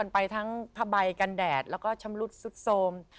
ไปทั้งผ้าใบกันแดดแล้วก็ชำรุดสุดโทรม